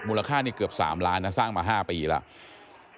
ค่านี่เกือบ๓ล้านนะสร้างมา๕ปีแล้ว